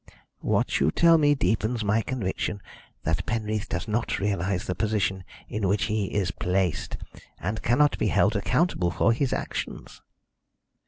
"What you tell me deepens my conviction that Penreath does not realise the position in which he is placed, and cannot be held accountable for his actions."